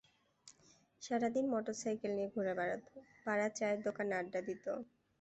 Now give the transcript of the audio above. সারা দিন মোটরসাইকেল নিয়ে ঘুরে বেড়াত, পাড়ার চায়ের দোকানে আড্ডা দিত।